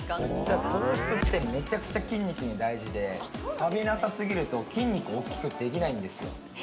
糖質ってめちゃくちゃ筋肉に大事で食べなさ過ぎると筋肉大っきくできないんですよ。